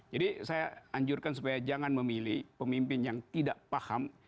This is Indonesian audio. jadi saya anjurkan supaya jangan memilih pemimpin yang tidak paham